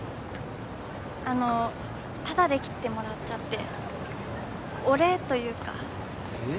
あのタダで切ってもらっちゃってお礼というかえっ？